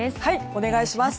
お願いします。